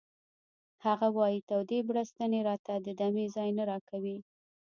هغه وایی تودې بړستنې راته د دمې ځای نه راکوي